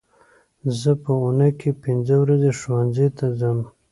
زه په اونۍ کې پینځه ورځې ښوونځي ته ځم